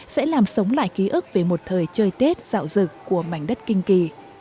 sẽ làm sống lại ký ức về một thời chơi tết dạo rực của mảnh đất kinh kỳ